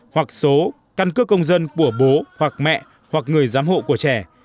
hoặc số căn cước công dân của bố hoặc mẹ hoặc người giám hộ của trẻ